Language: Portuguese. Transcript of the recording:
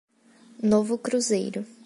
Novo Cruzeiro